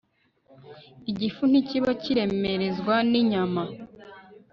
Igifu ntikiba kikiremerezwa ninyama